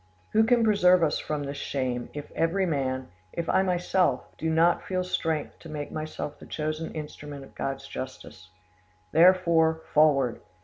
Who can preserve us from this shame, if every man, if I myself, do not feel strength to make myself the chosen instrument of God's justice? Therefore, forward!